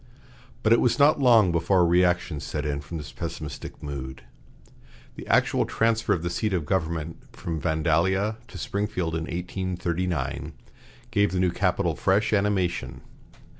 But it was not long before a reaction set in from this pessimistic mood. The actual transfer of the seat of government from Vandalia to Springfield in 1839 gave the new capital fresh animation.